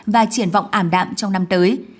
và triển vọng ảm đạm trong năm tới